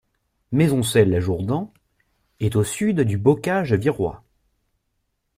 Maisoncelles-la-Jourdan est au sud du Bocage virois.